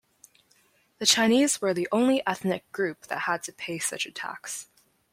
The Chinese were the only ethnic group that had to pay such a tax.